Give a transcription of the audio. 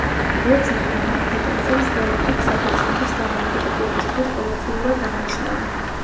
ბერძნები მანჰეტენზე მსვლელობით საბერძნეთის დამოუკიდებლობის დღეს ყოველწლიურად აღნიშნავენ.